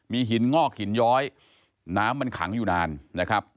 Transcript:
มีหินงอกหินย้อยน้ำมันขังอยู่นานนะครับ